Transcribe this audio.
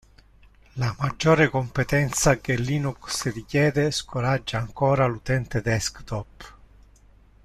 La maggiore competenza che Linux richiede scoraggia ancora l'utente desktop.